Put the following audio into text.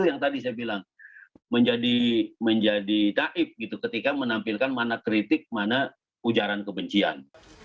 yang tadi saya bilang menjadi taib gitu ketika menampilkan mana kritik mana ujaran kebencian